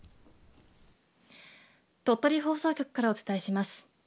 鳥取放送局からお伝えします。